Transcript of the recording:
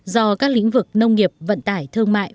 do các lĩnh vực nông nghiệp vận tải thương mại